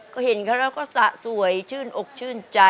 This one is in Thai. ก็เห็นเขาแล้วก็สะสวยชื่นอกชื่นใจ